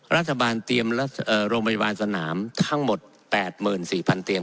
รัฐบาลเตรียมโรงพยาบาลสนามทั้งหมด๘๔๐๐เตียง